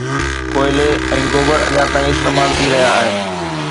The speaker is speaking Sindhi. ڪوئلي ۽ گوبر اڃا تائين استعمال ٿي رهيا آهن